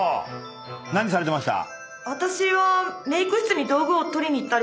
何されてました？